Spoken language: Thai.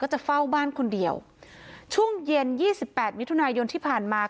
จะเฝ้าบ้านคนเดียวช่วงเย็นยี่สิบแปดมิถุนายนที่ผ่านมา